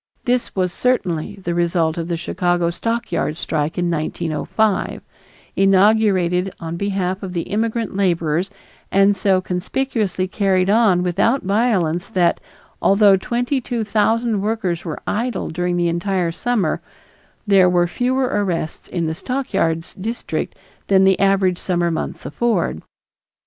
This was certainly the result of the Chicago stockyard strike in 1905, inaugurated on behalf of the immigrant laborers and so conspicuously carried on without violence that, although twenty two thousand workers were idle during the entire summer, there were fewer arrests in the stockyards district than the average summer months afford.